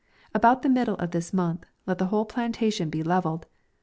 About the middle of this month, let the whole plantation be levelled.